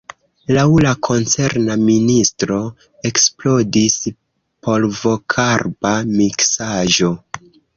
Laŭ la koncerna ministro eksplodis polvokarba miksaĵo.